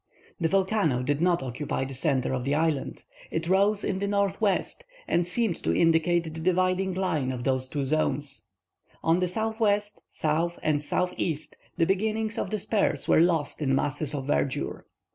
The volcano did not occupy the centre of the island. It rose in the northwest, and seemed to indicate the dividing line of the two zones. On the southwest, south, and southeast, the beginnings of the spurs were lost in masses of verdure.